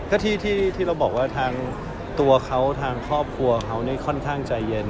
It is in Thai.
ก็ที่เราบอกว่าทางตัวเขาทางครอบครัวเขานี่ค่อนข้างใจเย็น